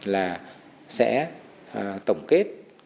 là sẽ tổng kết